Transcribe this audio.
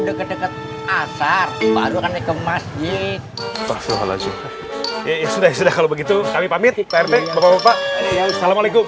deket deket asar baru akan ke masjid ya sudah kalau begitu kami pamit prt bapak assalamualaikum